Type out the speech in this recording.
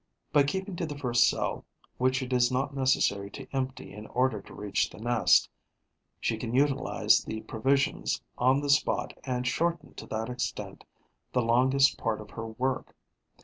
By keeping to the first cell, which it is not necessary to empty in order to reach the next, she can utilize the provisions on the spot and shorten to that extent the longest part of her work.